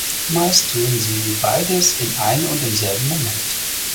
Meist tun sie beides in ein und demselben Moment.